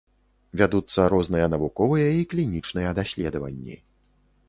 Вядуцца розныя навуковыя і клінічныя даследаванні.